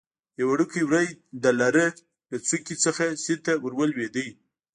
یو وړکی وری د لره له څوکې څخه سیند ته ور ولوېده.